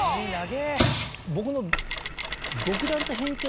僕の。